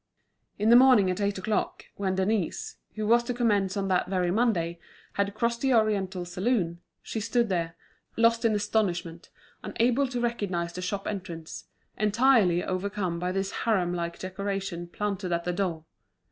In the morning at eight o'clock, when Denise, who was to commence on that very Monday, had crossed the oriental saloon, she stood there, lost in astonishment, unable to recognise the shop entrance, entirely overcome by this harem like decoration planted at the door.